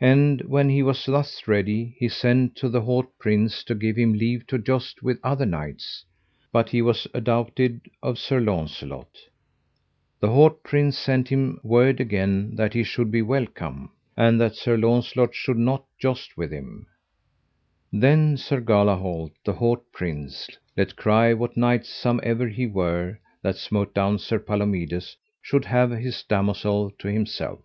And when he was thus ready, he sent to the haut prince to give him leave to joust with other knights, but he was adoubted of Sir Launcelot. The haut prince sent him word again that he should be welcome, and that Sir Launcelot should not joust with him. Then Sir Galahalt, the haut prince, let cry what knight somever he were that smote down Sir Palomides should have his damosel to himself.